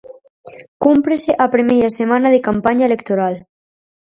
Cúmprese a primeira semana de campaña electoral.